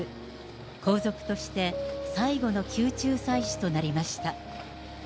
皇族として最後の宮中祭祀となりました。